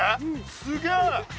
すげえ！